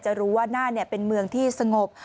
จะรู้ว่าน่านเนี่ยเป็นเมืองที่สงบ